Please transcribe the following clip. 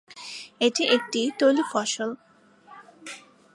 এটি একটি তৈলফসল।